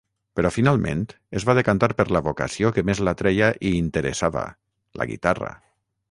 Però finalment es va decantar per la vocació que més l'atreia i interessava, la guitarra.